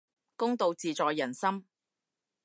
公道自在人心